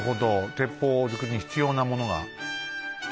鉄砲づくりに必要なものが。